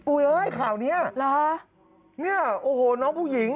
ปุ๊ยเฮ้ยข่าวนี้เนี่ยโอ้โหน้องผู้หญิง